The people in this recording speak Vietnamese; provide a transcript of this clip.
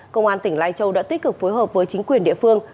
công an tỉnh lai châu đã tích cực phối hợp với chính quyền địa phương